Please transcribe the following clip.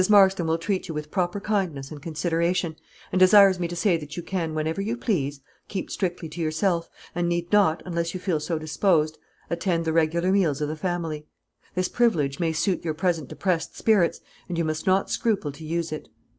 Marston will treat you with proper kindness and consideration, and desires me to say that you can, whenever you please, keep strictly to yourself, and need not, unless you feel so disposed, attend the regular meals of the family. This privilege may suit your present depressed spirits, and you must not scruple to use it."